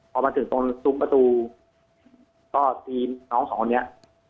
พอมาถึงตรงซุ้มประตูก็ตีน้องสองคนนี้